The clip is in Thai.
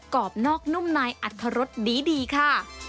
กรอบนอกนุ่มนายอัดขะรสดีค่ะ